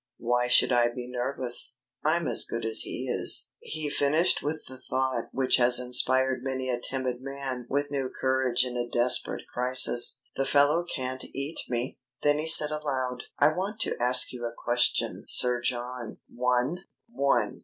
Why should I be nervous? I'm as good as he is." He finished with the thought which has inspired many a timid man with new courage in a desperate crisis: "The fellow can't eat me." Then he said aloud: "I want to ask you a question, Sir John." "One?" "One.